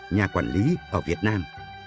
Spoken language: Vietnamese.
nhà quản lý ở việt nam